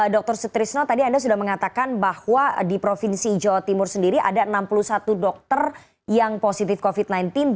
dr sutrisno tadi anda sudah mengatakan bahwa di provinsi jawa timur sendiri ada enam puluh satu dokter yang positif covid sembilan belas